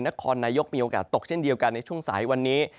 นครนายกมีโอกาสตกเช่นเดียวกันในช่วงสายวันนี้